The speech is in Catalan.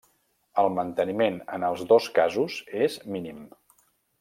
El manteniment en els dos casos és mínim.